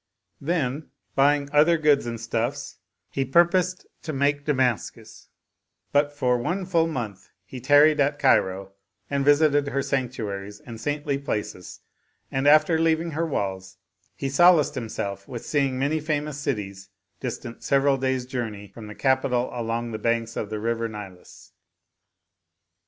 Then buying other goods and stuffs he purposed to make Damascus; but for one full month he tarried at Cairo and visited her sanctuaries and saintly places, and after leaving her walls he solaced himself with seeing many famous cities distant several days' journey from the capital along the banks of the River Nilus.